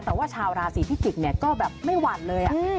แต่ว่าชาวราศีพิจิกเนี่ยก็แบบไม่หวั่นเลย